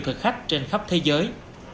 thực khách trên khắp thế giới